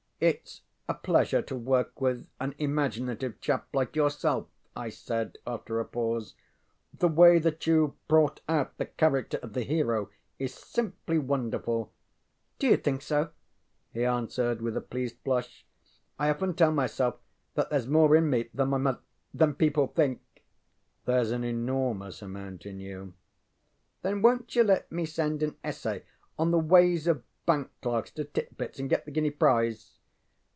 ŌĆ£ItŌĆÖs a pleasure to work with an imaginative chap like yourself, ŌĆØ I said after a pause. ŌĆ£The way that youŌĆÖve brought out the character of the hero is simply wonderful. ŌĆØ ŌĆ£Do you think so? ŌĆØ he answered, with a pleased flush. ŌĆ£I often tell myself that thereŌĆÖs more in me than my mo than people think. ŌĆØ ŌĆ£ThereŌĆÖs an enormous amount in you. ŌĆØ ŌĆ£Then, wonŌĆÖt you let me send an essay on The Ways of Bank Clerks to Tit Bits, and get the guinea prize?